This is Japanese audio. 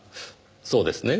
そうですね？